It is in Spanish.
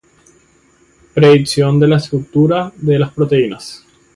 Predicción de la estructura de las proteínas